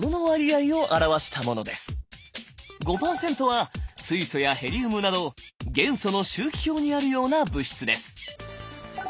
５％は水素やヘリウムなど元素の周期表にあるような物質です。